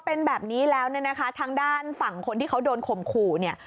พอเป็นแบบนี้แล้วทางด้านฝั่งคนที่เขาโดนข่มขู่